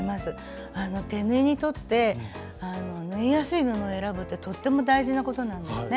手縫いにとって縫いやすい布を選ぶってとっても大事なことなんですね。